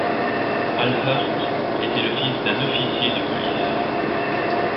Al Hirt était le fils d'un officier de police.